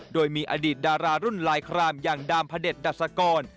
โดยมีอดีตดารารุ่นหลายครามอย่างดำพเต็ดดัปสกร